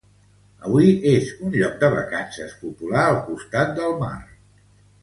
Avui és un lloc de vacances popular al costat del mar.